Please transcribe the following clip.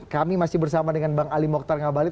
kami masih bersama dengan bang ali mokhtar ngabalin